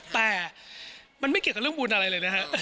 แต่มันไม่เกี่ยวกับเรื่องบุญอะไรเลยนะฮะ